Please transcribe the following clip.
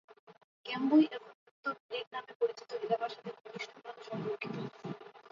ক্যাম্বোই এখন উত্তর ব্লিড নামে পরিচিত এলাকার সাথে ঘনিষ্ঠভাবে সম্পর্কিত।